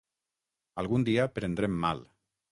Algun dia prendrem mal.